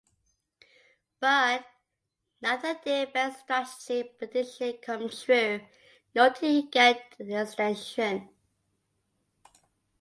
But, neither did Beg's strategic prediction come true nor did he get an extension.